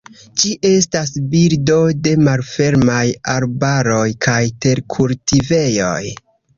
Ĝi estas birdo de malfermaj arbaroj kaj terkultivejoj.